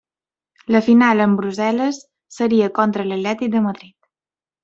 La final en Brussel·les seria contra l'atlètic de Madrid.